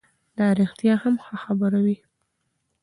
دا رښتیا هم هغه خبرې وې